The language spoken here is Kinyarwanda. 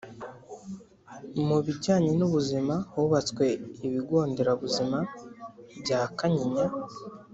Mu bijyanye n’ubuzima hubatswe ibigo nderabuzima bya Kanyinya